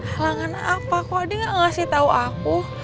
halangan apa kok adi nggak ngasih tau aku